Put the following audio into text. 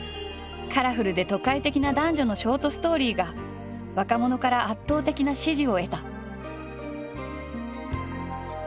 カラフルで都会的な男女のショートストーリーが若者から圧倒的な支持を得た。